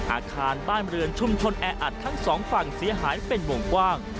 อาคารบ้านเรือนชุมชนแออัดทั้งสองฝั่งเสียหายเป็นวงกว้าง